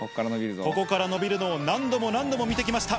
ここから伸びるのを何度も何度も見てきました。